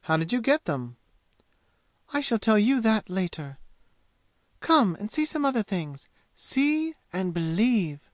"How did you get them?" "I shall tell you that later. Come and see some other things. See and believe!"